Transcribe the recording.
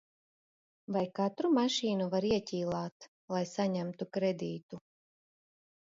Vai katru mašīnu var ieķīlāt, lai saņemtu kredītu?